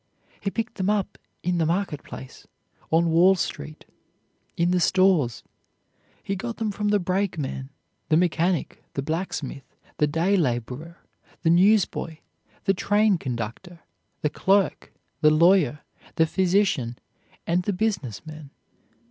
He picked them up in the marketplace, on Wall Street, in the stores. He got them from the brakeman, the mechanic, the blacksmith, the day laborer, the newsboy, the train conductor, the clerk, the lawyer, the physician, and the business man.